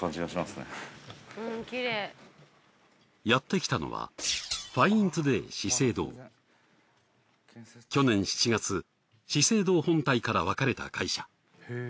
やってきたのは去年７月資生堂本体から分かれた会社。